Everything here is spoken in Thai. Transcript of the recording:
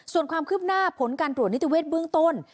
ส่วนความคืบหน้าผลการตรวจนิติเวศเบื้องต้น